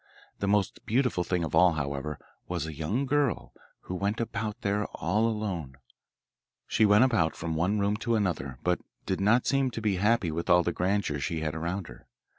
The most beautiful thing of all, however, was a young girl who went about there, all alone. She went about from one room to another, but did not seem to be happy with all the grandeur she had about her.